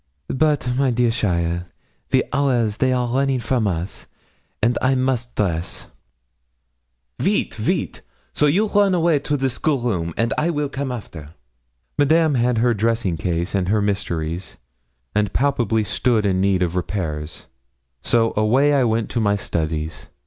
But, my dear cheaile, the hours they are running from us, and I must dress. Vite, vite! so you run away to the school room, and I will come after.' Madame had her dressing case and her mysteries, and palpably stood in need of repairs; so away I went to my studies.